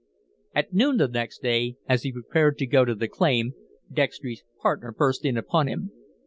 At noon the next day, as he prepared to go to the claim, Dextry's partner burst in upon him.